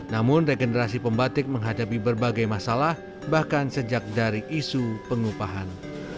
namun regenerasi pembatik menghadapi berbagai masalah bahkan sejak dari isu pengupahan